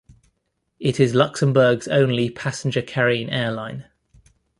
It is Luxembourg's only passenger-carrying airline.